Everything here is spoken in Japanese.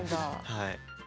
はい。